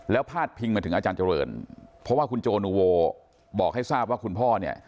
แล้วพาดพิงมาถึงอาจารย์เจริญเพราะว่าคุณโจนูโวบอกให้ทราบว่าคุณพ่อเนี่ย